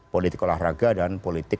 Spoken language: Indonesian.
politik olahraga dan politik